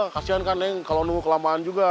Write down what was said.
kasian kan neng kalau nunggu kelamaan juga